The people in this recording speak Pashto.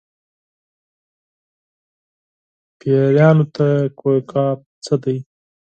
پېریانو ته کوه قاف څه دي.